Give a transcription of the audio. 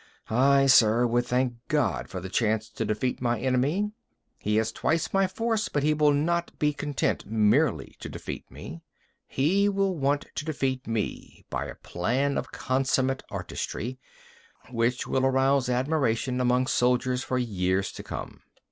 I, sir, would thank God for the chance to defeat my enemy. He has twice my force, but he will not be content merely to defeat me. He will want to defeat me by a plan of consummate artistry, which will arouse admiration among soldiers for years to come."